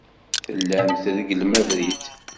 Tellam tregglem abrid.